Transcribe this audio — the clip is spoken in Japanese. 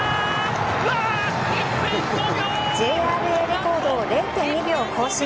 ＪＲＡレコードを０．２秒更新。